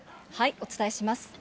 お伝えします。